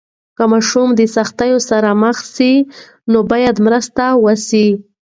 که ماشوم د سختیو سره مخ سي، نو باید مرسته وسي.